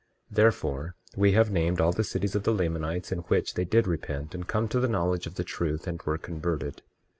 23:15 Therefore, we have named all the cities of the Lamanites in which they did repent and come to the knowledge of the truth, and were converted.